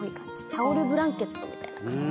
タオルブランケットみたいな感じ。